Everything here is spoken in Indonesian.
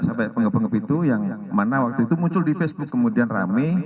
sampai penggep itu yang mana waktu itu muncul di facebook kemudian rame